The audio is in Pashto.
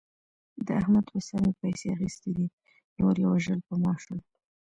د احمد په سر مې پیسې اخستې دي. نور یې وژل په ما شول.